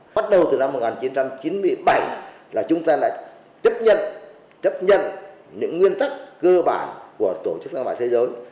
bắt đầu từ năm một nghìn chín trăm chín mươi bảy là chúng ta đã chấp nhận những nguyên tắc cơ bản của tổ chức thương mại thế giới